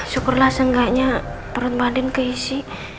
syukurlah seenggaknya perut badan keisi